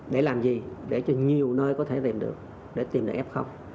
để làm gì để cho nhiều nơi có thể tìm được để tìm được f